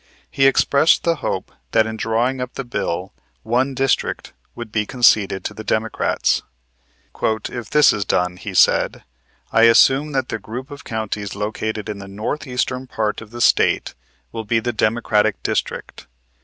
He expressed the hope that in drawing up the bill, one district would be conceded to the Democrats. "If this is done," he said, "I assume that the group of counties located in the northeastern part of the State will be the Democratic district.